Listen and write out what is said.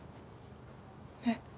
えっ？